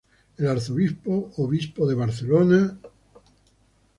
El arzobispo-obispo de Barcelona, Mons.